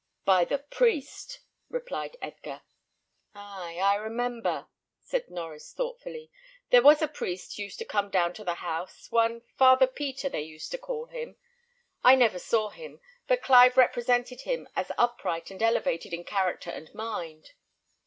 "By the priest," replied Edgar. "Ay, I remember," said Norries, thoughtfully, "There was a priest used to come down to the house; one Father Peter, they used to call him. I never saw him; but Clive represented him as upright and elevated in character and mind."